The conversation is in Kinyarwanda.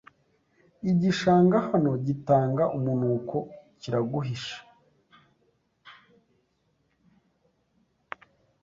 Igishanga hano gitanga umunuko kiraguhishe